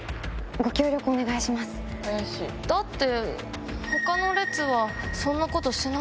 だって。